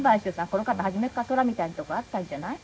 この方初めから寅みたいなとこあったんじゃない？